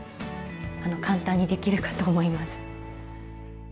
簡単にできるかと思います。